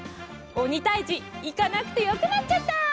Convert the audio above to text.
おにたいじいかなくてよくなっちゃった。